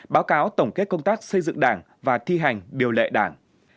báo cáo tổng kết công tác xây dựng đảng và thi hành điều lệ đảng